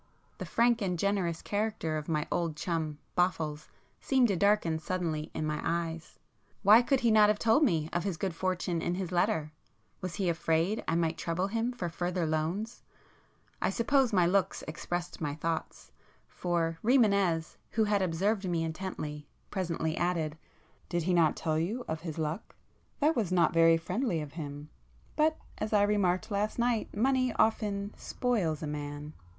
The frank and generous character of my old chum 'Boffles' seemed to darken suddenly in my eyes,—why could he not have told me of his good fortune in his letter? Was he afraid I might trouble [p 46] him for further loans? I suppose my looks expressed my thoughts, for Rimânez, who had observed me intently, presently added— "Did he not tell you of his luck? That was not very friendly of him—but as I remarked last night, money often spoils a man."